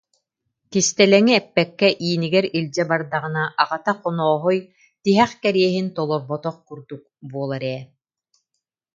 Кистэлэҥи эппэккэ иинигэр илдьэ бардаҕына аҕата Хонооһой тиһэх кэриэһин толорботох курдук буолар ээ